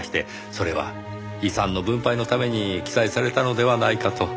それは遺産の分配のために記載されたのではないかと。